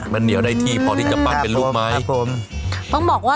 มันเหนียวได้ที่พอที่จะปั้นเป็นลูกไหมครับผมต้องบอกว่า